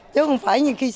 chứ không phải như khi sớm